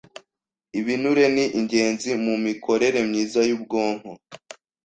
Ibinure ni ingenzi mu mikorere myiza y’ubwonko,